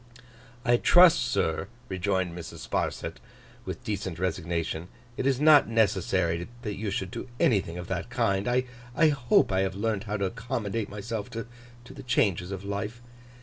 'I trust, sir,' rejoined Mrs. Sparsit, with decent resignation, 'it is not necessary that you should do anything of that kind. I hope I have learnt how to accommodate myself to the changes of life.